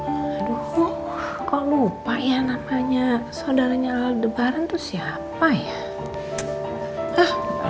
aduh kok lupa ya namanya saudaranya debaran tuh siapa ya